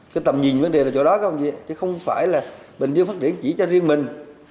cái tầm nhìn vấn đề là chỗ đó không phải là bình dương phát triển chỉ cho riêng mình